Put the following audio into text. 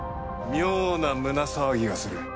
妙な胸騒ぎがする。